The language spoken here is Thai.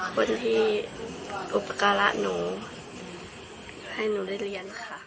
โปรดติดตามตอนต่อไป